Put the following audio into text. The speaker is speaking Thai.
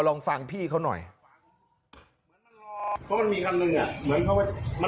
ลองฟังพี่เขาหน่อยเพราะมันมีคันหนึ่งอ่ะเหมือนเขาว่า